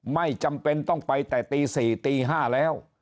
ไม่จำเป็นต้องไปแต่ตี๔ตี๕แล้ว